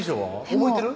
覚えてる？